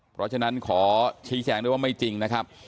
เพราะฉะนั้นขอชี้แจงด้วยว่าไม่จริงนะครับ